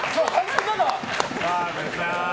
澤部さん！